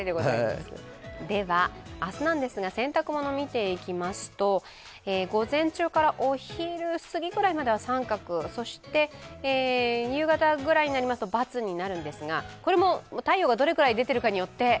では明日なんですが、洗濯物を見ていきますと午前中からお昼すぎくらいまでは△、そして夕方ぐらいになりますと×になるんですがこれも太陽がどれくらい出ているかによって？